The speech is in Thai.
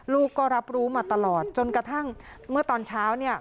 ลูกก็รับรู้มาตลอดจนกระทั่งเมื่อตอนเช้าเนี่ย